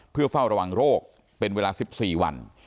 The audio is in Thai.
เพื่อเฝ้าระวังโรคเป็นเวลา๑๔วัน